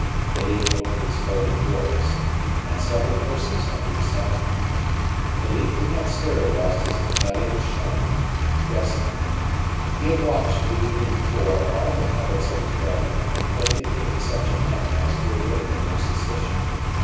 Philippe opened his folding doors, and several persons entered silently. Philippe did not stir whilst his valets de chambre dressed him. He had watched, the evening before, all the habits of his brother, and played the king in such a manner as to awaken no suspicion.